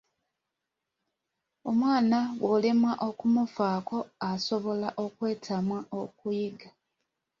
Omwana bw'olemwa okumufaako asobola okwetamwa okuyiga.